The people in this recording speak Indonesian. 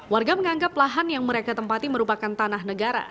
warga menganggap lahan yang mereka tempati merupakan tanah negara